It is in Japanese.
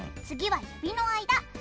次は指の間。